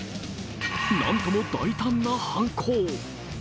何とも大胆な犯行。